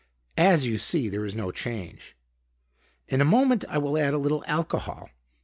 As you see, there is no change. In a moment, I will add a little alcohol.